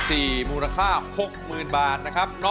สีหน้าร้องได้หรือว่าร้องผิดครับ